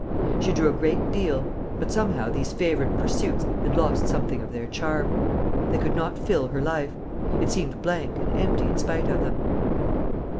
She drew a great deal; but somehow these favourite pursuits had lost something of their charm. They could not fill her life; it seemed blank and empty in spite of them.